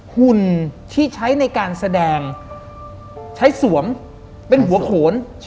หุ่นที่ใช้ในการแสดงใช้สวมเป็นหัวโขน